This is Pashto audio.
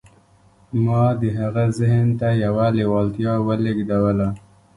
ما د هغه ذهن ته يوه لېوالتیا ولېږدوله.